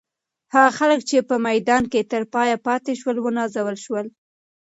هغه خلک چې په میدان کې تر پایه پاتې شول، ونازول شول.